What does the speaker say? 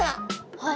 はい。